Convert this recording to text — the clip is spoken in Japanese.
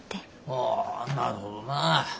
ああなるほどなぁ。